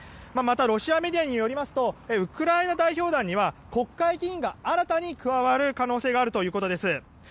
またロシアメディアによりますとウクライナ代表団には国会議員が新たに加わる可能性があるということです。